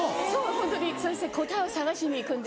ホントにそして答えを探しに行くんですよ。